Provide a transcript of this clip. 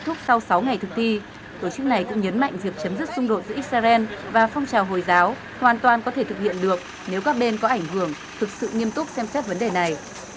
phong trào hồi giáo hoàn toàn có thể thực hiện được nếu các bên có ảnh hưởng thực sự nghiêm túc xem xét vấn đề này